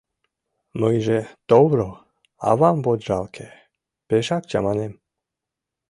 Мыйже — товро, авам вот жалке, пешак чаманем.